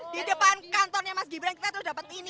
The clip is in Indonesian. di depan kantornya mas gibran kita tuh dapet ini